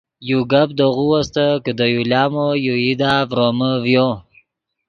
یو گپ دے غو استت کہ دے یو لامو یو ایدا ڤرومے ڤیو